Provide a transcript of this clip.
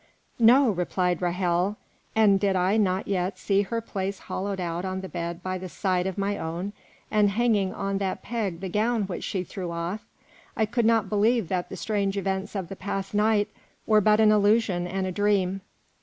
"No," replied Ra'hel; "and did I not yet see her place hollowed out on the bed by the side of my own, and hanging on that peg the gown which she threw off, I could believe that the strange events of the past night were but an illusion and a dream."